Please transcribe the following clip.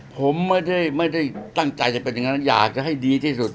ผมไม่ได้ตั้งใจจะเป็นอย่างนั้นอยากจะให้ดีที่สุด